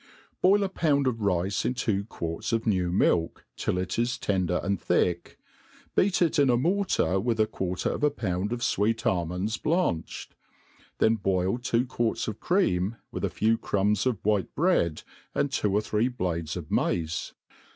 BOIL a pound of rice in two quarts of new milk, till it is tendet and thick ; beat it in a mortar with a quarter of a poaad of fweet almonds Uaached ; then boil two quarts of creaai, with a few crumbs of white bread, and two or three blades of mace.